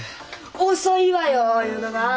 遅いわよ言うのが。